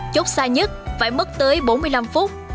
chốt xa nhất phải mất tới bốn mươi năm phút